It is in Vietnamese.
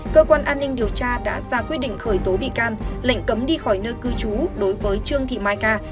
cơ quan an ninh điều tra đã ra quyết định khởi tố bị can lệnh cấm đi khỏi nơi cư trú đối với trương thị mai ca